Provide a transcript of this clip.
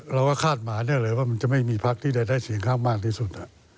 เราก็คาดหมายได้เลยว่ามันจะไม่มีพักที่จะได้เสียงข้างมากที่สุด